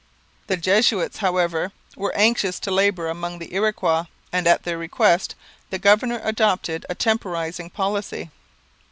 The Jesuits, however, were anxious to labour among the Iroquois, and at their request the governor adopted a temporizing policy.